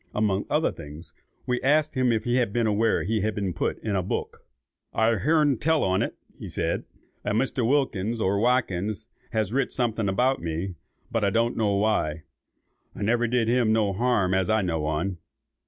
Among other things, we asked him if he was aware that he had been put in a book. "I've hearn tell on't," said he; "a Mr. Wilkins, or Watkins, has writ something about me, but I don't know why. _I never did him no harm as I know on.